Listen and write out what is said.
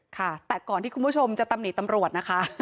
ค่ะแต่ก่อนที่คุณผู้ชมจะตำหนิตำรวจนะคะ